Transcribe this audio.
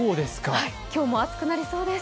今日も暑くなりそうです。